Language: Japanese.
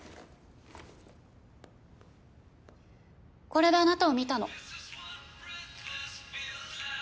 これであなたを見たの。